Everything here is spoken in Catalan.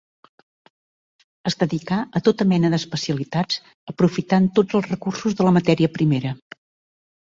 Es dedicà a tota mena d'especialitats aprofitant tots els recursos de la matèria primera.